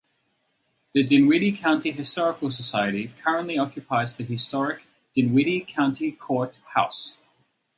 The Dinwiddie County Historical Society currently occupies the historic Dinwiddie County Court House.